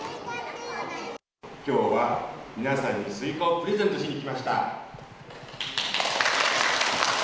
きょうは皆さんに、スイカをプレゼントしに来ました。